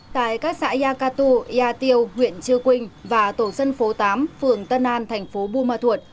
tại các xã ea katu ea tiêu huyện chư quynh và tổ dân phố tám phường tân an thành phố bù ma thuột